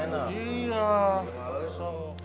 biar ada nafas enak